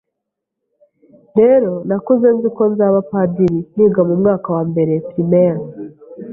rero nakuze nzi ko nzaba padiri niga mu mwaka wa mbere primaire